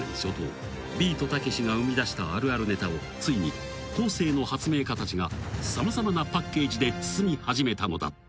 ［ビートたけしが生みだしたあるあるネタをついに後世の発明家たちが様々なパッケージで包み始めたのだった］